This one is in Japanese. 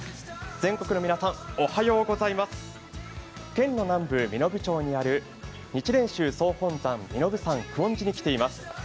全国の皆さん、おはようございます県の南部身延町にある日蓮宗総本山に来ています。